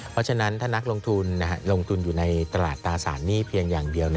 เพราะฉะนั้นถ้านักลงทุนลงทุนอยู่ในตลาดตราสารหนี้เพียงอย่างเดียว